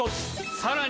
さらに。